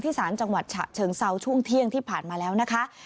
ศาลจังหวัดฉะเชิงเซาช่วงเที่ยงที่ผ่านมาแล้วนะคะ